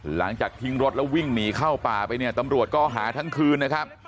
หลังจากทิ้งรถแล้ววิ่งหนีเข้าป่าไปเนี่ยตำรวจก็หาทั้งคืนนะครับ